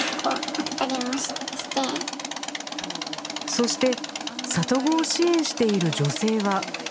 そして里子を支援している女性は